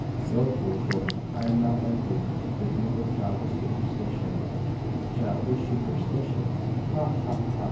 'Go, foolish woman! I am not like you, the dupe of childish superstitions.' 'Childish superstitions! Ha! ha! ha!